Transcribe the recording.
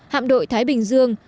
hạm đội thái bình dương